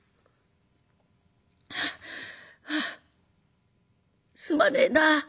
「はあすまねえな。